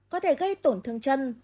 có thể gây tổn thương chân